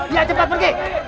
iya cepat pergi